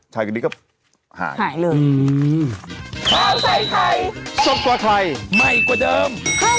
ถ่ายกันดีก็หายหายเลยอืม